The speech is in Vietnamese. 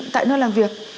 tại nơi làm việc